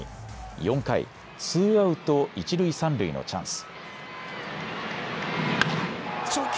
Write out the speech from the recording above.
４回、ツーアウト一塁三塁のチャンス。